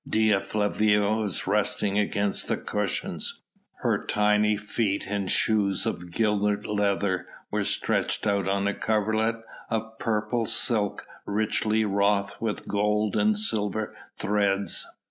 Dea Flavia was resting against the cushions; her tiny feet in shoes of gilded leather were stretched out on a coverlet of purple silk richly wrought with gold and silver threads.